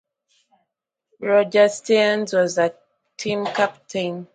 Roger Stearns was the team captain.